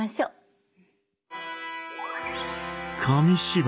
紙芝居